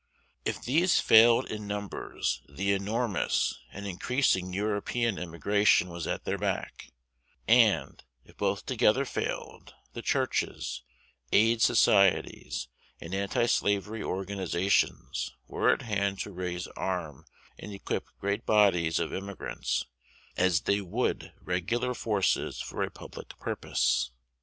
If these failed in numbers, the enormous and increasing European immigration was at their back; and, if both together failed, the churches, aid societies, and antislavery organizations were at hand to raise, arm, and equip great bodies of emigrants, as they would regular forces for a public purpose.